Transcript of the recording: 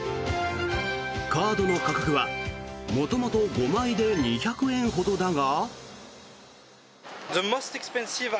カードの価格は元々５枚で２００円ほどだが。